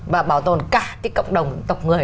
và bảo tồn cả cái cộng đồng tộc người